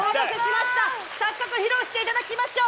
早速披露していただきましょう。